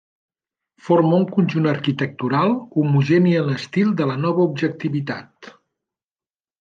Forma un conjunt arquitectural homogeni en estil de la nova objectivitat.